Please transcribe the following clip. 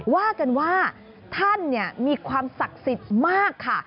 ว่ากันว่าท่านมีความศักดิ์สิทธิ์มากค่ะ